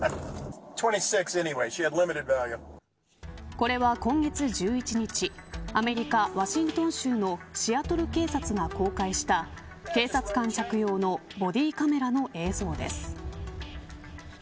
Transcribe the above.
これは今月１１日アメリカ・ワシントン州のシアトル警察が公開した警察官着用のボディカメラの映像です。